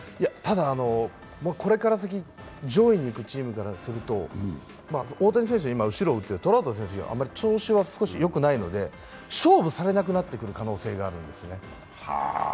これから先、上位に行くチームからすると大谷選手、後ろ打って、トラウト選手が調子が少しよくないので、勝負されなくなってくる可能性があるんですね。